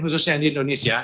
khususnya di indonesia